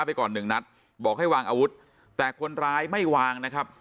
ไปก่อนหนึ่งนัดบอกให้วางอาวุธแต่คนร้ายไม่วางนะครับ